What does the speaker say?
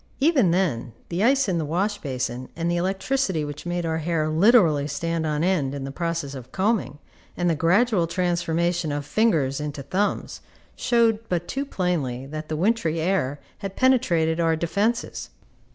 Even then, the ice in the wash basin, and the electricity which made our hair literally stand on end in the process of combing, and the gradual transformation of fingers into thumbs, showed but too plainly that the wintry air had penetrated our defences.